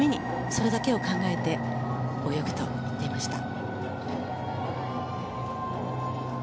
それだけを考えて泳ぐと言っていました。